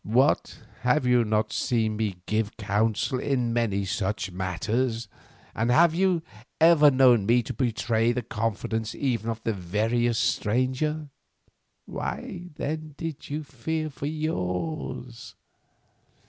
What, have you not seen me give counsel in many such matters, and have you ever known me to betray the confidence even of the veriest stranger? Why then did you fear for yours?"